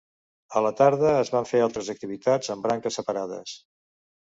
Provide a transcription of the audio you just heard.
A la tarda es van fer altres activitats amb branques separades.